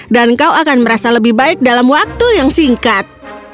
dan kau akan merasa lebih baik dalam waktu yang singkat